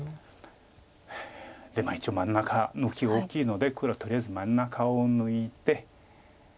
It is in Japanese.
一応真ん中抜き大きいので黒とりあえず真ん中を抜いて。